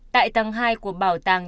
tại tầng hai của bảo tàng